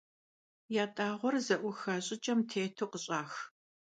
Yat'ağuer ze'uxa ş'ıç'em têtu khış'ax.